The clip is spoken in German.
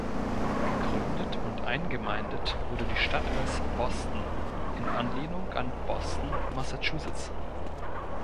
Gegründet und eingemeindet wurde die Stadt als "Boston", in Anlehnung an Boston, Massachusetts.